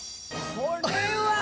これは！